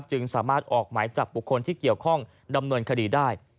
จึงสามารถออกหมายจับบุคคลที่เกี่ยวข้องดำเนินคดีได้